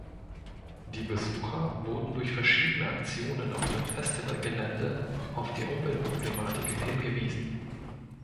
Die Besucher wurden durch verschiedene Aktionen auf dem Festivalgelände auf die Umweltproblematik hingewiesen.